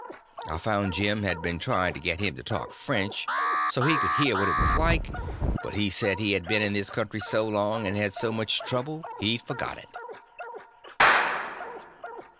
I found Jim had been trying to get him to talk French, so he could hear what it was like; but he said he had been in this country so long, and had so much trouble, he'd forgot it.